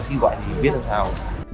bác sĩ gọi thì mình biết làm sao